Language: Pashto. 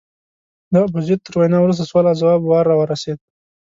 د ابوزید تر وینا وروسته سوال او ځواب وار راورسېد.